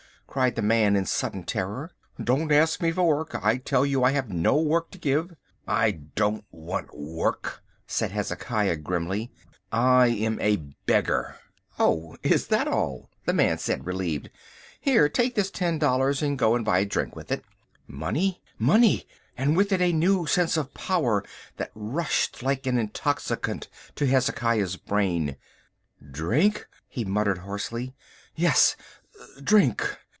cried the man in sudden terror. "Don't ask me for work. I tell you I have no work to give." "I don't want work," said Hezekiah grimly. "I am a beggar." "Oh! is that all," said the man, relieved. "Here, take this ten dollars and go and buy a drink with it." Money! money! and with it a new sense of power that rushed like an intoxicant to Hezekiah's brain. "Drink," he muttered hoarsely, "yes, drink."